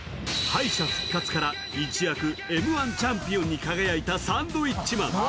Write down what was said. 敗者復活から一躍Ｍ−１チャンピオンに輝いたサンドウィッチマン。